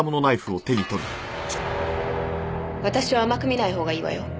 私を甘く見ない方がいいわよ。